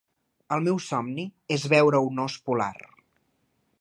El meu somni és veure un os polar.